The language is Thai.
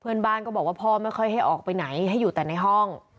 เพื่อนบ้านก็บอกว่าพ่อไม่ค่อยให้ออกไปไหนให้อยู่แต่ในห้อง